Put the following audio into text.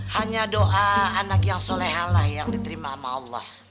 hanya doa anak yang solehalah yang diterima sama allah